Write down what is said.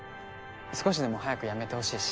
少しでも早く辞めてほしいし。